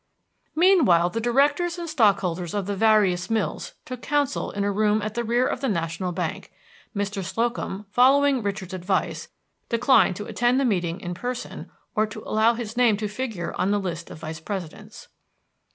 Meanwhile the directors and stockholders of the various mills took counsel in a room at the rear of the National Bank. Mr. Slocum, following Richard's advice, declined to attend the meeting in person, or to allow his name to figure on the list of vice presidents.